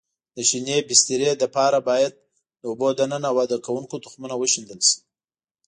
د شینې بسترې لپاره باید د اوبو دننه وده کوونکو تخمونه وشیندل شي.